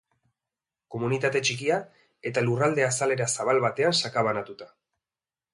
Komunitate txikia eta lurralde azalera zabal batean sakabanatuta.